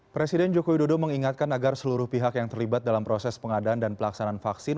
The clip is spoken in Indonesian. presiden joko widodo mengingatkan agar seluruh pihak yang terlibat dalam proses pengadaan dan pelaksanaan vaksin